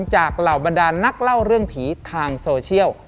เหล่าบรรดานนักเล่าเรื่องผีทางโซเชียล